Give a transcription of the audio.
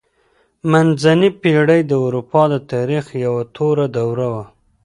منځنۍ پېړۍ د اروپا د تاريخ يوه توره دوره وه.